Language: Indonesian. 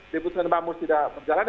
diputuskan bamus tidak berjalan